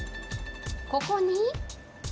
ここに。